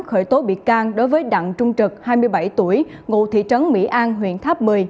khởi tố bị can đối với đặng trung trực hai mươi bảy tuổi ngụ thị trấn mỹ an huyện tháp một mươi